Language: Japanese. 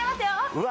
うわ